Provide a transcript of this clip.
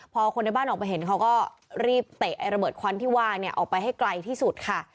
พอคนในบ้านออกไปเห็นเขาก็รีบเตะระเบิดควันที่ว่าเนี่ยออกไปให้ไกลที่สุดค่ะ